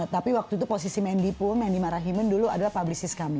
tapi waktu itu posisi mandy pun mandy marahiman dulu adalah publisher